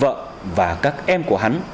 vợ và các em của hắn